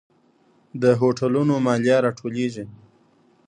د هوټلونو مالیه راټولیږي؟